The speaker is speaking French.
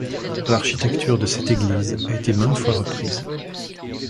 L'architecture de cette église a été maintes fois reprise.